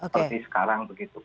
seperti sekarang begitu